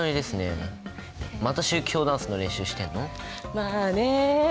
まあね。